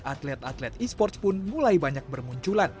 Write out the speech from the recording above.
atlet atlet e sports pun mulai banyak bermunculan